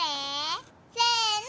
せの！